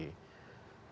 tapi dalam kondisi kondisi